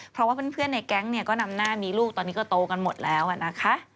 เพราะว่าเพื่อนในแก๊งเนี่ยก็นำหน้ามีลูกตอนนี้ก็โตกันหมดแล้วนะคะ